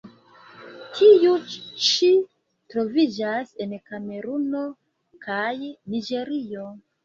Tiu ĉi troviĝas en Kameruno kaj Niĝerio.